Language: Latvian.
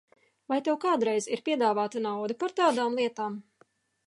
Vai tev kādreiz ir piedāvāta nauda par tādām lietām?